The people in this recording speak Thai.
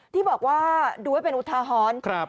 ที่บอกว่าดูไว้เป็นอุทาหรณ์